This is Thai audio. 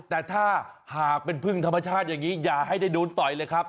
แต่ถ้าหากเป็นพึ่งธรรมชาติอย่างนี้อย่าให้ได้โดนต่อยเลยครับ